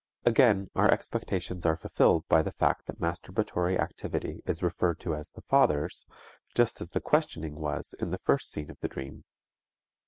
Again our expectations are fulfilled by the fact that masturbatory activity is referred to as the father's, just as the questioning was in the first scene of the dream.